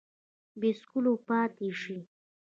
بې څکلو پاته شي